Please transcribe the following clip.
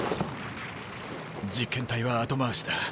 実験体は後回しだ。